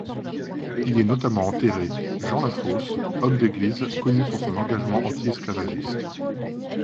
Y est notamment enterré Jean Lafosse, homme d'Église connu pour son engagement antiesclavagiste.